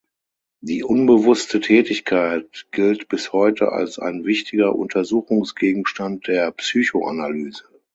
Die unbewusste Tätigkeit gilt bis heute als ein wichtiger Untersuchungsgegenstand der Psychoanalyse.